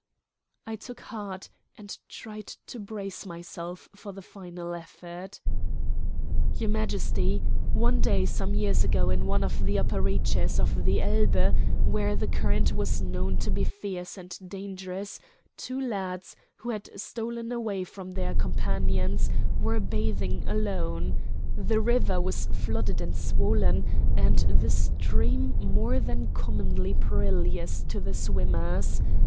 I took heart, and tried to brace myself for the final effort. "Your Majesty, one day some years ago in one of the upper reaches of the Elbe where the current was known to be fierce and dangerous two lads, who had stolen away from their companions, were bathing alone. The river was flooded and swollen, and the stream more than commonly perilous to the swimmers.